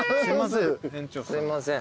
すいません。